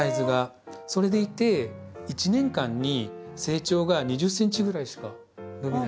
それでいて１年間に成長が２０ｃｍぐらいしか伸びないので。